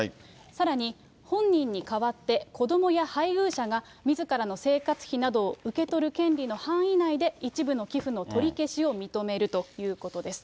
さらに、本人に代わって、子どもや配偶者がみずからの生活費などを受け取る権利の範囲内で、一部の寄付の取り消しを認めるということです。